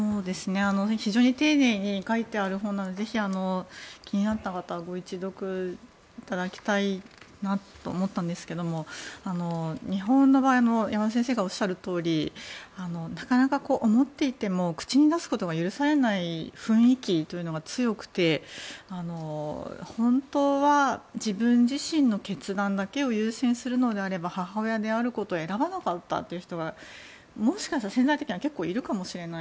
非常に丁寧に書いてある本なのでぜひ気になった方はご一読いただきたいなと思ったんですけれども日本の場合も山田先生がおっしゃるとおりなかなか思っていても口に出すことが許されない雰囲気というのが強くて本当は自分自身の決断だけを優先するのであれば母親であることを選ばなかったという人はもしかしたら潜在的には結構いるかもしれない。